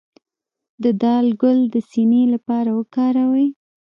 د دال ګل د سینې لپاره وکاروئ